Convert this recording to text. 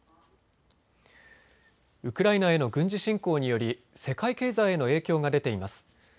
ウクライナへの軍事侵攻により世界経済への影響が出ています。